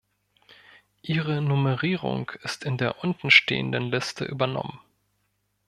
Ihre Nummerierung ist in der untenstehenden Liste übernommen.